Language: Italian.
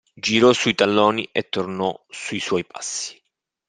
Girò sui talloni e tornò sui suoi passi.